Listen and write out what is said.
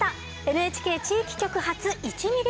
「ＮＨＫ地域局発１ミリ